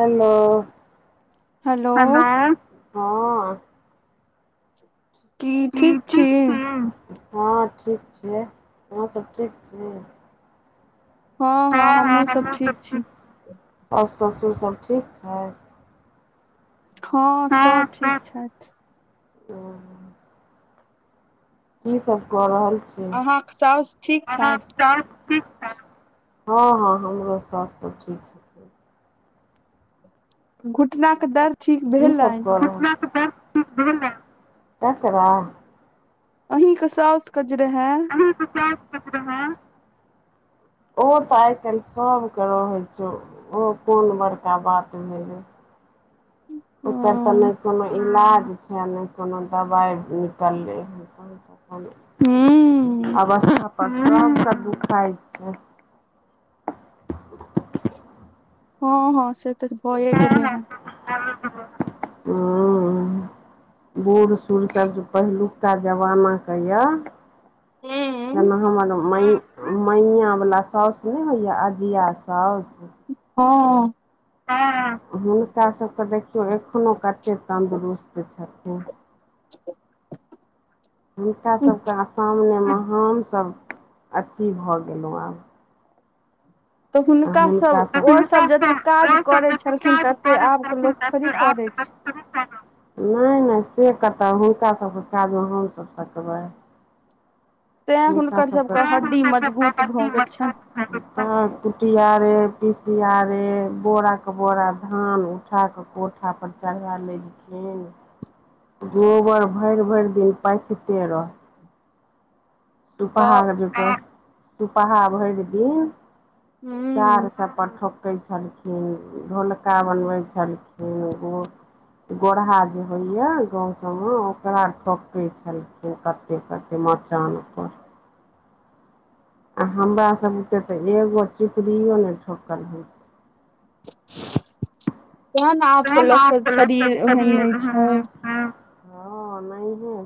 Hello hello हँ की ठीक छी हँ ठीक घिये अहाँ सब ठीक छी हँ हँ हमहूँ सब ठिड छी साउ ससुर सब ठीक छैथ हँ सब ठीक छैथ ओ की सब कऽ रहल छी अहाँके साउस ठीक अहाँ छथि [unintelligible] हँ हँ हमरो सौस सब ठीक छै घुटना केँ दर्द ठीक कि सब भेलनि कऽ रहल घुटना केँ दर्द ठीक भेल केकरा अही कऽ साउस केँ जे रहे अहाँ कऽ सौस केँ जे रहे ओहो तऽ आइ काइल सब केँ रहे छै ओ कोन बड़का बात भेलै ओकर तऽ ओ नय कोनो इलाज छै छै आ नय कोनो दबाइ निकलले हँ हुँ अवस्था पर सब कऽ दुखाई छै हँ - हँ से तऽ भए गेलै हँ हुँ - हुँ बूढ़ सूढ़ सब सँ पहिलु का जमाना केँ यऽ हूँ, जेना हमर माई मैया बला साउस नय होइय अजिया साउस हँ हँ हुनका सभ केँ एखनो कतेक तन्दुरुस्त छथिन हुनका सब कऽ [unintelligible] सामने म हमसभ अथी भऽ गेलहुँ आब तऽ हुनका सब ओ सब जते काज करे छलखिन तते आब कऽ लोक थोड़ी करे छै नय - नय से कतऽ हुनका सबके काजमे हमसभ सकबै तें हुनका हुनकर सब कऽ सबके हड्डी मजबूत भऽ गेल छनि [unintelligible] हँ कुटिया रे पिसिया रे बोरा कऽ बोरा धान उठा कऽ कोठा पर चढ़ालै छलखिन गोबर भइर - भइर दिन पाथिते रह सुपहा तऽ अगर जुटे सुपहा भइर दिन हूँ चार सब परठोकै छलखिन ढोलका बनबै छलखिन गो गोरहा जे होइय गाँंव सबमे ओकरा ठोके छल कत -े कते मचान पर आ हमरा सबके तऽ एगो चिपड़ियो ने ठोकलीय लह तें ने ततै आबके न आब लोकके सलेक्शन शरीर ओहन कलिय नहि हम छै सब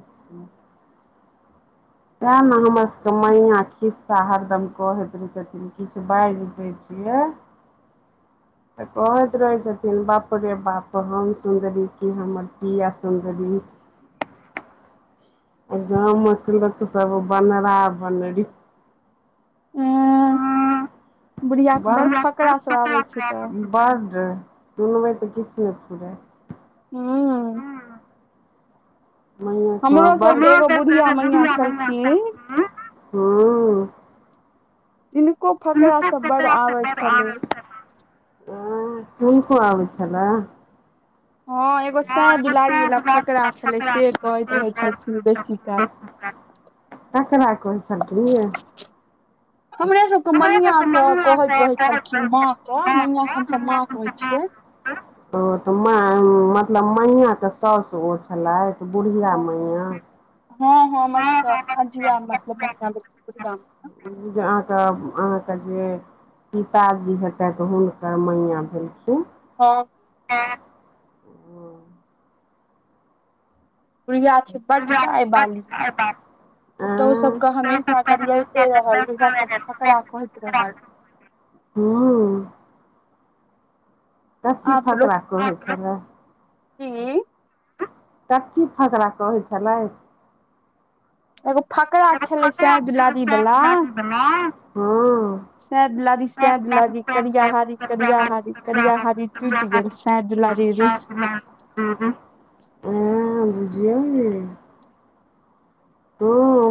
त नह हमर समया खिसा हरदम कहैत रहैत छथिनह किछु बाजि दै छियै [inaudible] तऽ कहैत रहै छथिन बाप रे बाप हम सुन्दरी कि हमर पिया सुन्दरी [inaudible] ग कलक सब बनरा बनरी उ बुढ़िया के बड़ फकरा सब आबे छै तऽ ब्ड सुनबै मे तऽ किछु ने फुरेत हँ हमरो सबके एगो बुढ़िया मैया छलखिन [inaudible] हि नको फकरा सब बड आबे छलै अय हुनको आबैछलैनह हँ एगो सै दुलारी वला फकरा छलै से कहैत रहै छलखिन बेसी काल [inaudible] करार कहि छलकिन ह हमरे सबके म ईआ के कहैत रहै छलखिन हँन ह मैया सबके मां कहैत छियै मैय कहैत छियै ओ तऽ मतलब मैयाके सास ओ छलथि बुढ़िया मैया हँ हँ हमर सबके अजिया मतलब पिया जे अहाँके अहाँके जे पिताजी हेतै तऽ हुनकर मैया कहलखिनह हँ हँ बूढ़ीया छै बड्डााय पईवाली पुतहु आँय सबके हमेशा गरियाबते रहल जा सब फकड़रा कहैत रहल हँ सबकी फकराा कहै छै लै हू कथि फकरा कहै छलै एगो फकरा छलै सय दुलारी वाला नहि ओ। सयदुलारी सयदुलारी करिया हारी करिया हारी करिया हारी। टिक तैं के लेल हय दुलारी रूस तय हू हू। हँ बुझियउ य इ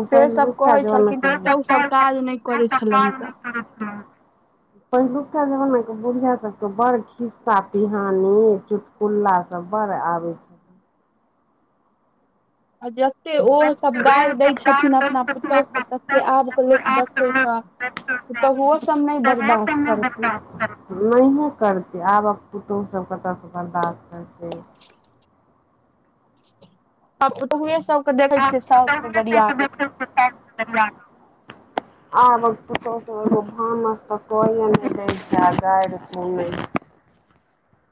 सेसभ पहिलुका कहै जमाना छलखिन के पुतहुसभ काज नहि करै छलनि तऽ। [inaudible] पहिलुका जमाना में बुढ़िया सबके बड़ खिस्सा पिहानी चु। कुल्ला सब बड़ आबे छै। आ जते ओसभ गारि दै छथिन अपना पुतोहुके तते आबके लोक देखतै तऽ। तऽ ओ सब नहि बर्दाश्त करते। नहिए करतै आबक पुतौहु सब कतऽसँ बर्दाास्त करतै। आबपूतौहुए सब के देखे छियै साउस गड़िया बैत। [unintelligible] [inaudible] आबक पुतहु सब एगो भानस तऽ कये नय दैय छै आ गाईर सनै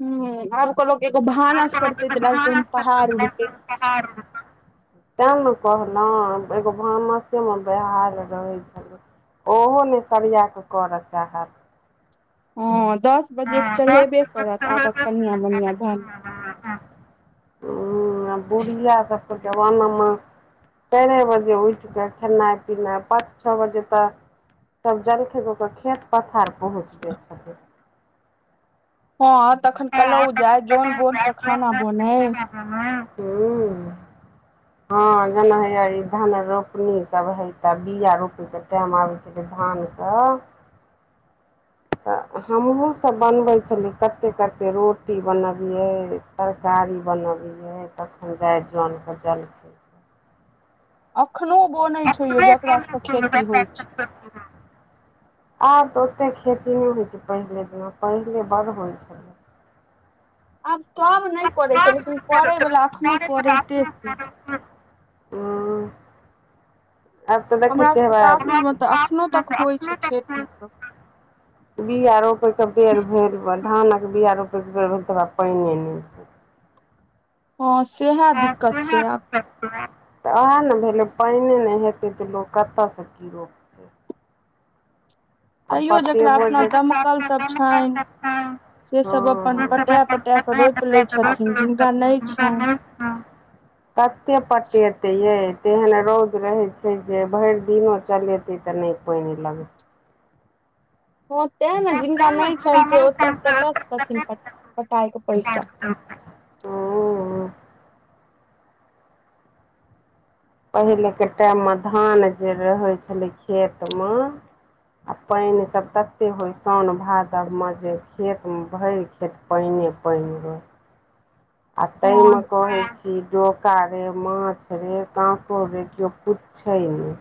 हुँ आबक लोक एगो भानस करतै तऽ लगतै हम पहार उड़तै [unintelligible] तेँ नऽ कहलहु एगो भानसे मऽ बहाल रहे छलै ओहो नय सरिआ कऽ करऽ चाहत। हँ दस बजे कऽ चढ़ेबे करत आबक कनिया मनिया भान हँ - हँ। हँ आ बुढ़िया सब कऽ जवाना मऽ चाइरे बजे उइठ कऽ खेनाइ पीनाइ पाँच छ बजे तऽ। तब जलखे कऽ कऽ खेत पथार पहुँच जाय छथिन। हँ तखन कलौ जाय जन बोन कऽ खाना बनेै। अहाँ कऽ उ हँ। जेना हइया ई धान रोपनी सब हय तऽ बीआ रोपनी के टाइम आबै छै धान कऽ तऽ हमहूँसभ बनबै छलियै कते - कते रोटी बनबियै। तरकारी बनाबियै तखन जाइ जन केँ जल अखनो बनै छै यै जेकरा सब कऽ खेती होइ छै। [inaudible] आब तऽ ओते खेती नय होइ छै पहिले जेना पहिले बड़ होइ छलै आब त नहि करै छै लेकिन पैवला अखनो करैते छी। हूँ आब त देखै य हमरा छियै सबके हेबा सासुर मे तऽ अखनो तक होइ छै खेती सब [unintelligible] बीआ रोपय केँ बेर भेल होवा धानक बीआ रोपय केँ बेर भेल तऽ हेबा पाइने नय हँ सेहा दिक्कत छै आब। [unintelligible] ओहै नऽ भेलै पाइन नय हेतै तऽ लोक कतऽ सँ की रोपतै। आ तैयो जकरा पटेबो अपना जे दमकल सब छैन हँ से सब अपन हँ पटाय - पटाय कऽ रोप ले छथिन जिनका नय छैन कते पटेते यै तेहन रौद रहे छै जे भइर दिनो चलेते तऽ नय [unintelligible] लग हँ तेँ नऽ जिनका नय छैन से ओते कतऽ सॅ देथिन प -पटाय कऽ पैसा। हूँ पहिले केँ टाइम मऽ धान जे रहै छलै खेत मऽ आ पानि सब तते होइ साउन, भादब मे जे खेत म ' भइर जाइ खेत पइने पाइन रहै। आ तैय मे हँ कहै जे डोका रे माछ रे काकोर रे केओ पुछै नय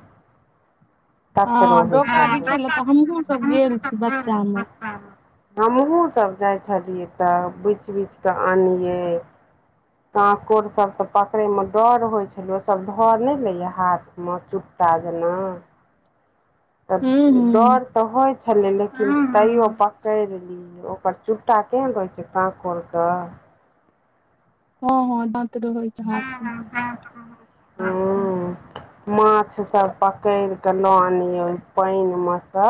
तत हँ रहै डोका छलै बिछै लए तऽ हमहुँ सब गेल छी बच्चा मे [unintelligible] हमहुँ सब जाइ छलियै तऽ बिछ - बिछ कऽ आनियै काँकोर सभ तऽ पकड़ै मऽ डर होइ छलै ओसभ धऽ नय लैए हाथ मऽ चु टा जेना [inaudible] तऽ हूँ डर तऽ होइ छलै लेकिन तैयो पकैर ली ओकर चुटा केहन रहै छै काकोर कऽ हँ हँ दा हँ हँ [unintelligible] माछ सभ पकैर कऽ लऽ आनिये ओहि पाइन मऽ सँ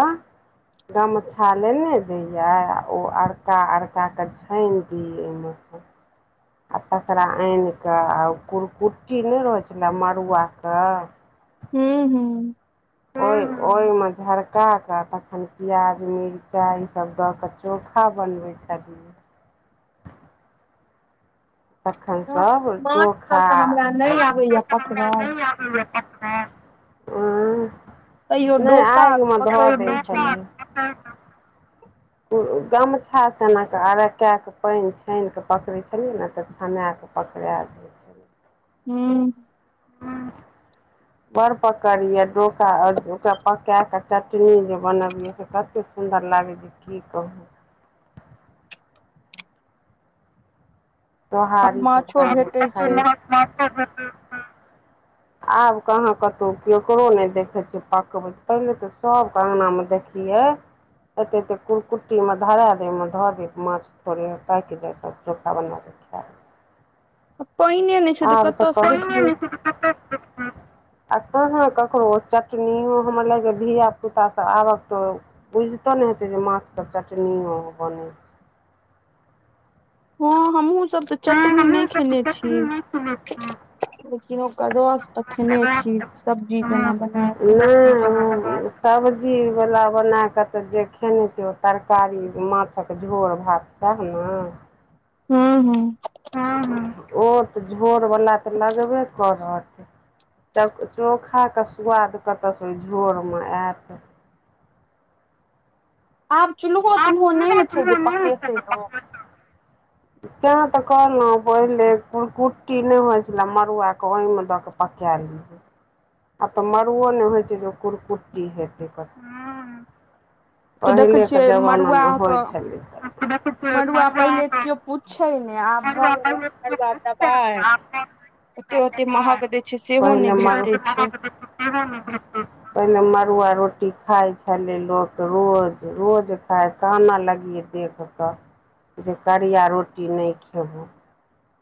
गमछा लेने जइयै आ ओ अरका अरका कऽ छाइन दिये ओहिमे सँ आ तकरा आनि कऽ आ कुरकुट्टी नय रहै छलै मरूआ कऽ हुँ - हुँ ओहि [inaudible] ओहिमे झरका कऽ तखन प्याज मिरचाइ ई सब दऽ कऽ चोखा बनबै छलियै तखैन हूँ सब माछ चोखा सब तऽ हमरा नहि आबैया [unintelligible] पकड़ल [unintelligible] हुँ तैयो नय डोका आइग मऽ धऽ पकड़ि दै लै छलहुँ छलियै [unintelligible] गमछा सँ एना कऽ अरकेँ कऽ पाइन छाइन कऽ पकड़ै छलियै नऽ तऽ छनै कऽ पकरै जाय हुँ [inaudible] बड़ पकड़िय डोका ओकरा पकैए कऽ चटनी जे बनबियै से कते सु सुन्दर लागै जे की कहू आ सोहारी सब माछो भेटै छै संगे [unintelligible] [inaudible] आब कहाँ कतहु केकरो नय देखै छियै पकबैत पहिले तऽ सबके अंगना मे देखलियै एते एते कुलकुट्टी मऽ धरा दियै ओय मऽ धऽ दियै तब माछ थोड़े [unintelligible] पाइक जाइ सब चोखा बनै कऽ खा तऽ पाइने नय छै तऽ केतऽ से देखबै [unintelligible] [inaudible] आ कहाँ ककरो चटनियो हमर लागे यऽ धियापुता सभ आबक तऽ बुझितो नइ हेतै जे नाछ कऽ चटनीओ बने छै हँ हमहुँ सब तऽ चटनी नहि खेने छी लेकिन ओकर रोस तऽ खेने छै छी सब्जी जेना बनै कऽ सब्जीवला बनाकऽ तऽ जे खेने छै ओ तरकारी माछक झोर भात तब नऽ हू हू हँ - हँ ओ तऽ झोर वला तऽ लगबे करत तब चोखा कऽ सुआद कतऽ सँ ओहि झोर मऽ एत आब चुल्हो - तुल्हो नय नऽ छै जे पकतै लोक तैँ तऽ कहलहुँ पहिले कुड़कु ट्टी नय होइ छलै मड़ुआ कऽ ओहिम दैय कऽ पका लियै आब तऽ मड़ुओ नय होइ छै जे ओ कुरकुट्टी हेतै कनि तो देखै छियै मड़ुआ जमानामे कऽ मड़ुआ पहिले केओ पू छै नय आब भऽ गेलै वैह मरुआ दबाइ ओते - ओते महग दै छै सेहो नय भेटै छै पहिने मरूआ रोटी खाइ छलै लोक तऽ रोज - रोज खाय कानऽ लगियै देख कऽ जे करिया रोटी नय खेबो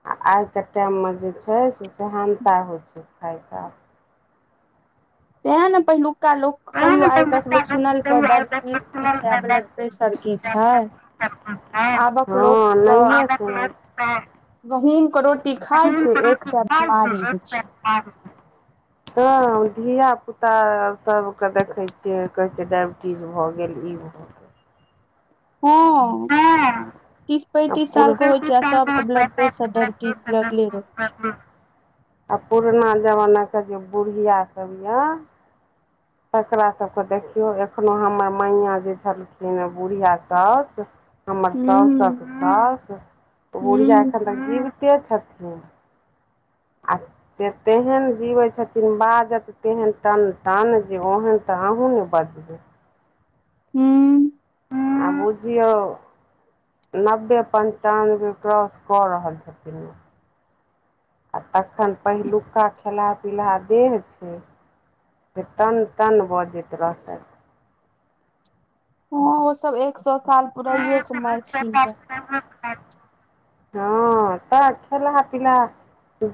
आ आइके टाइममे जे छै से सहानता होइ छै खाय कऽ। तैँ नऽ पहिलुका लोक। कहियो आइ तक लोकोग सुनलकै दर्द चीज की छै ब्लड प्रेशर की छै। आबक लोक क ओ। ह। [inaudible] गहुम के रोटी खाय छै एकस बीमारी होइ छै। [inaudible] हँ धिय पुता सबके देखैत छियै कहै छै डायबि टीज भऽ गेल ई भऽ गेल। हँ तीस आ पैंतीस पुर साल के होइ छै आ सब। ब्लड प्रेसर डायबिटीज लगले रहै छै। आ पुरना जमाना के जे बुढ़िया सब यए। तकरा सभके देखियौ एखनो हमर मैयाँ जे छलखिन बुढ़िया साउस। हमर साउसक हूं साउस बुढ़िया हूं एखन तक जीबिते छथिन। अआ से तेहन जिबै छथिन बाजत तेहन टन टन जे ओहन तऽ अहूँ नै बजबै। हू। आ बुझियौ नब्बे पंचानवे क्रॉस कऽ रहल छथिनवो आ तखन पहिलुका खेला पीलहा देह छै। से टन टन बजैत रहतै। हँ ओ सब एक सए साल पूराए क मर थिन हँ तऽ खेलहा पिलहा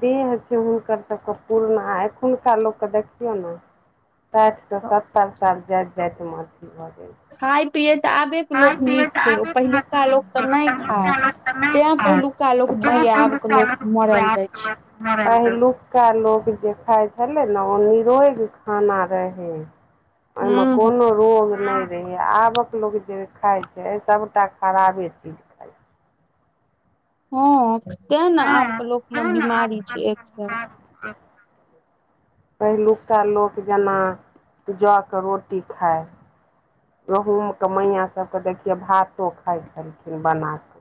देह छै हुनकर सबके पुरना आ एखुनका लोकके देखियौ ने। साठि सए तऽ सत्तरि साल जाइत जाइतमे अथी भऽ गेल। खाय पियै तऽ आबेके लोक नीक छै ओ पहिलुका लोक तऽ नहि खाय तें पहिलुका लोक जीए आब के लोक मरल छै जाय छै। पहिलुका लोग जे खाय छले ने ओ निरोग खाना रहे। [unintelligible] ओहिमे कोनो रोग नहि रहहिय आबक ल। जे खाइ छै सबटा खराबे चीज। खाइ छै हँ तें ने आब के लोक मे बीमारी छै एक से। पहिलुका लोक जेना जऽ कऽ रोटी खाइ। गहुंमक मैया सबके देखियै भातो खाइत छलखिन बना कऽ।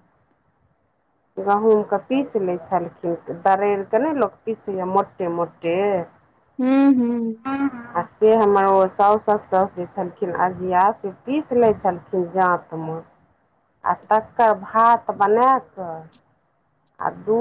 [inaudible] गहूँमके पीसि लै छलखिन दरड़ि कऽ ने लोक पीसैएा मोटे मोटे। हू हू। आ से हमर ओ साउस क साउस जे छलखिन अजिया से पीस लै छलखिन जाँत मे। आ तकर भात बनाएकऽ। आ दूध।